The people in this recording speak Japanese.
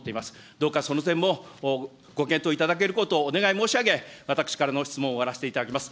どうか、その点もご検討いただけることをお願い申し上げ、私からの質問を終わらせていただきます。